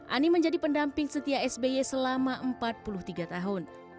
ani menjadi pendamping setia sby selama empat puluh tiga tahun